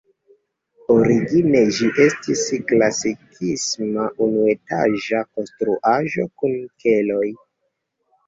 Origine ĝi estis klasikisma unuetaĝa konstruaĵo kun keloj.